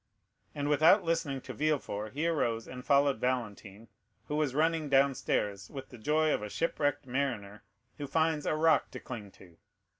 And without listening to Villefort he arose, and followed Valentine, who was running downstairs with the joy of a shipwrecked mariner who finds a rock to cling to.